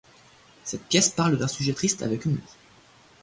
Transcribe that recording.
Cette pièce parle d'un sujet triste avec humour.